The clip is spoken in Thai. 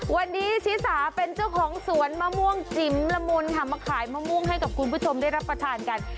วันนี้ชิสาเป็นเจ้าของสวนมะม่วงจิ๋มละมุนค่ะมาขายมะม่วงให้กับคุณผู้ชมได้รับประทานกัน